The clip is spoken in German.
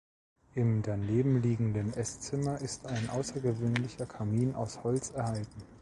Im daneben liegenden Esszimmer ist ein außergewöhnlicher Kamin aus Holz erhalten.